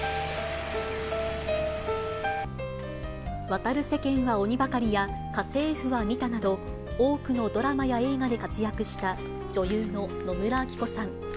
渡る世間は鬼ばかりや、家政婦は見た！など、多くのドラマや映画で活躍した女優の野村昭子さん。